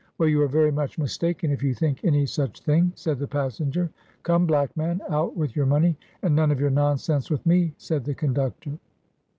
" "Well, you are very much mistaken, if you think any such thing," said the passenger. " Come, black man, out with your money, and none of your nonsense with me," said the conductor.